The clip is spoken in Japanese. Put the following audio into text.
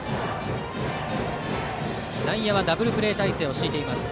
内野はダブルプレー態勢を敷いています。